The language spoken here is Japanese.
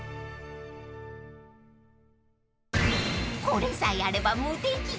［これさえあれば無敵］